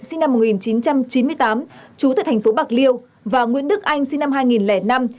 sinh năm một nghìn chín trăm chín mươi tám trú tại thành phố bạc liêu và nguyễn đức anh sinh năm hai nghìn năm